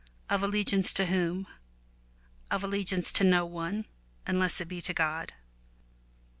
Of allegiance to whom? Of allegiance to no one, unless it be to God.